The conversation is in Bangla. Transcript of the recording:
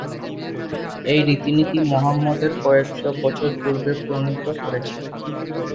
এই রীতিনীতি মুহাম্মদের কয়েকশো বছর পূর্বে প্রণীত করেছিলেন।